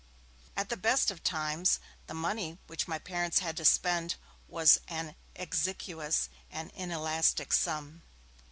At the best of times, the money which my parents had to spend was an exiguous and an inelastic sum.